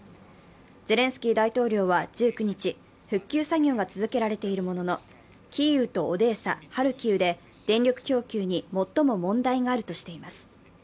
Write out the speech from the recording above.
ゼレンスキー大統領は１９日、復旧作業が続けられているものの、キーウとオデーサ、ハルキウで電力供給に最も問題があるとしています。